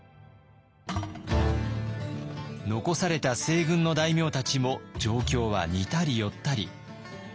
残された西軍の大名たちも状況は似たり寄ったり。